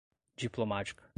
diplomática